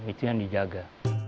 itu yang dijaga